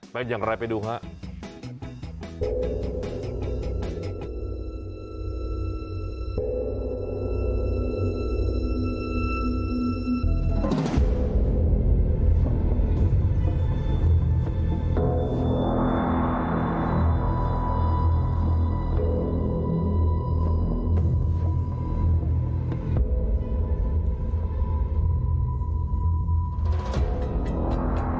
เป็นอย่างไรไปดูครับ